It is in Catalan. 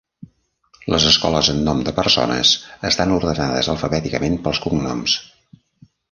Les escoles amb nom de persones estan ordenades alfabèticament pels cognoms.